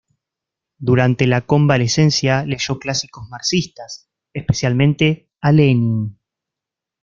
Durante la convalecencia leyó clásicos marxistas, especialmente a Lenin.